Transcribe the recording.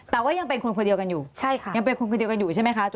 แต่ว่ายังเป็นคนคนเดียวกันอยู่ใช่ค่ะยังเป็นคนคนเดียวกันอยู่ใช่ไหมคะ